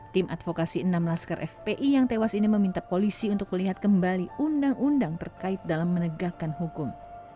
tim advokasi enam laskar fpi yang tewas ini meminta polisi untuk melihat kembali undang undang terkait dalam menegakkan hukum